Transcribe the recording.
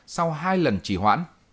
sau hai lần trì hoãn